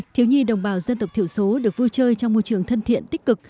thiếu nhi đồng bào dân tộc thiểu số được vui chơi trong môi trường thân thiện tích cực